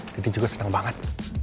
dian juga senang banget